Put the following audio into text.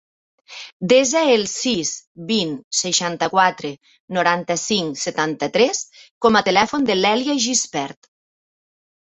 Desa el sis, vint, seixanta-quatre, noranta-cinc, setanta-tres com a telèfon de l'Èlia Gispert.